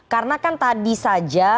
karena kan tadi saja